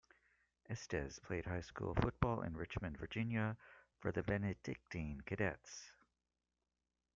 Estes played high school football in Richmond, Virginia for the Benedictine Cadets.